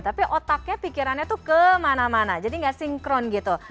tapi otaknya pikirannya tuh kemana mana jadi gak sinkron gitu